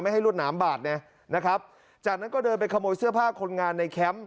ให้รวดหนามบาดไงนะครับจากนั้นก็เดินไปขโมยเสื้อผ้าคนงานในแคมป์